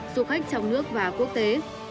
du khách trong nước và quốc tế